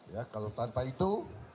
ya kalau tanpa itu